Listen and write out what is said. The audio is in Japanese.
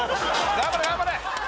頑張れ頑張れ！